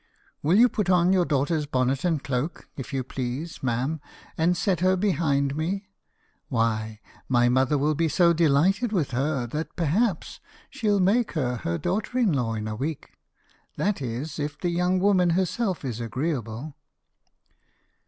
Will you put on your daughter's bonnet and cloak, if you please, ma'am, and set her behind me? Why, my mother will be so delighted with her, that perhaps she'll make her her daughter in law in a week, that is, if the young woman herself is agreeable."